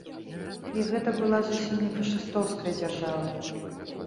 І гэта была зусім не фашыстоўская дзяржава.